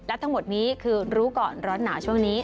และทั้งหมดนี้คือรู้ก่อนร้อนหนาวช่วงนี้